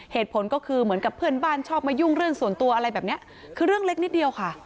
เหตุผลก็คือเหมือนกับเพื่อนบ้านชอบมายุ่งเรื่องส่วนตัวอะไรแบบเนี้ยคือเรื่องเล็กนิดเดียวค่ะ